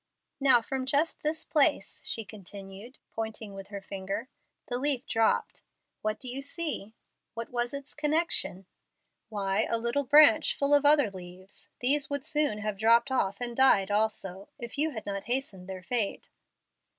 Now from just this place," she continued, pointing with her finger, "the leaf dropped. What do you see? What was its connection?" "Why, a little branch full of other leaves. These would soon have dropped off and died also, if you had not hastened their fate."